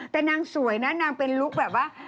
แต่นางสวยนะนางเป็นลุคแบบว่า